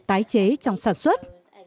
tái chế trong sản xuất